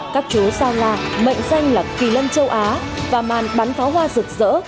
các chú sao nga mệnh danh là kỳ lân châu á và màn bắn pháo hoa rực rỡ